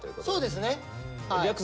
そうですねはい。